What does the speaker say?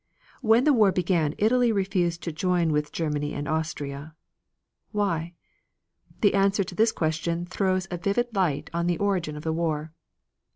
When the war began Italy refused to join with Germany and Austria. Why? The answer to this question throws a vivid light on the origin of the war.